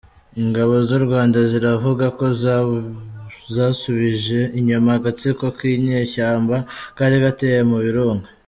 Ingabo zurwanda ziravuga ko zasubije inyuma agatsiko kinyeshyamba kari kateye mu Birunga